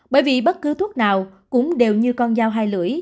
bởi vì bất cứ thuốc nào cũng đều như con dao hai lưỡi